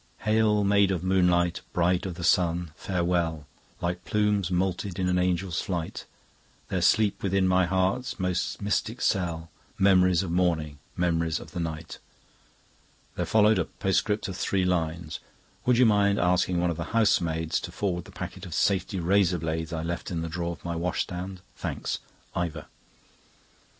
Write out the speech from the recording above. "Hail, maid of moonlight! Bride of the sun, farewell! Like bright plumes moulted in an angel's flight, There sleep within my heart's most mystic cell Memories of morning, memories of the night." There followed a postscript of three lines: "Would you mind asking one of the housemaids to forward the packet of safety razor blades I left in the drawer of my washstand. Thanks. Ivor."